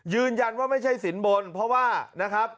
ยืนยันว่าไม่ใช่สินบ้นเพราะว่า